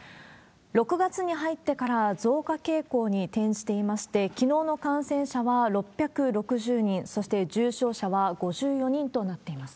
６月に入ってから増加傾向に転じていまして、きのうの感染者は６６０人、そして重症者は５４人となっています。